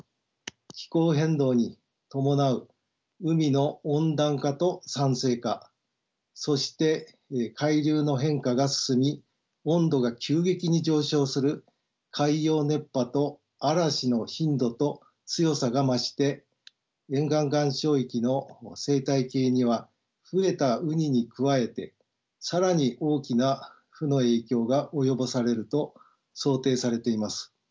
気候変動に伴う海の温暖化と酸性化そして海流の変化が進み温度が急激に上昇する海洋熱波と嵐の頻度と強さが増して沿岸岩礁域の生態系には増えたウニに加えて更に大きな負の影響が及ぼされると想定されています。